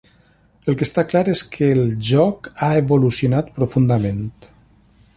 El que està clar és que el joc ha evolucionat profundament.